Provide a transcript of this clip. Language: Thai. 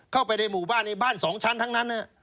เข้าไปในหมู่บ้านในบ้าน๒ชั้นทั้งนั้น